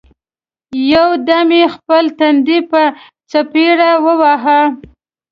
یو دم یې خپل تندی په څپېړه وواهه!